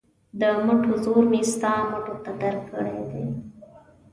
د مټو زور مې ستا مټو ته درکړی دی.